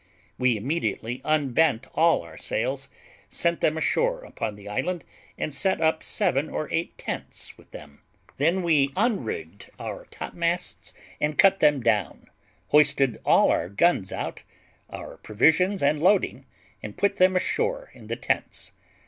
We immediately unbent all our sails, sent them ashore upon the island, and set up seven or eight tents with them; then we unrigged our top masts, and cut them down, hoisted all our guns out, our provisions and loading, and put them ashore in the tents.